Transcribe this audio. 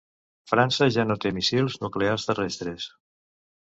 França ja no té míssils nuclears terrestres.